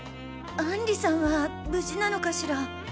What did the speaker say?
アンリさんは無事なのかしら。